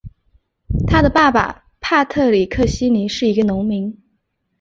他的爸爸帕特里克希尼是一个农民。